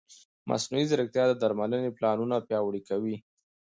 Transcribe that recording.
مصنوعي ځیرکتیا د درملنې پلانونه پیاوړي کوي.